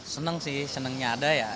seneng sih senengnya ada ya